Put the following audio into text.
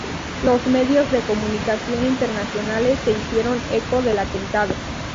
Los medios de comunicación internacionales se hicieron eco del atentado.